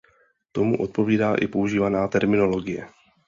Tomu odpovídá i používaná terminologie.